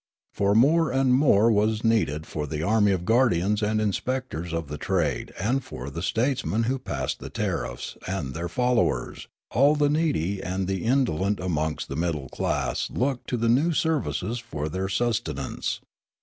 For more and more was needed for the army of guardians and inspectors of the trade and for the statesmen who passed the tariffs and their followers; all the needy and the indolent amongst the middle classes looked to the new services for their sustenance.